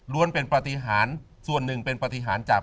เป็นปฏิหารส่วนหนึ่งเป็นปฏิหารจาก